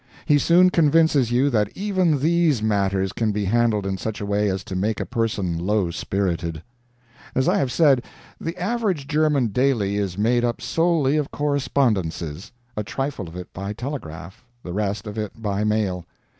He soon convinces you that even these matters can be handled in such a way as to make a person low spirited. As I have said, the average German daily is made up solely of correspondences a trifle of it by telegraph, the rest of it by mail.